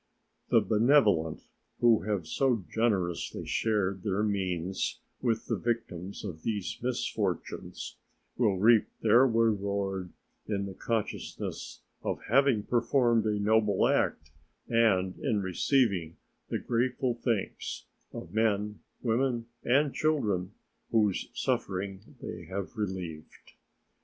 The benevolent, who have so generously shared their means with the victims of these misfortunes, will reap their reward in the consciousness of having performed a noble act and in receiving the grateful thanks of men, women, and children whose sufferings they have relieved.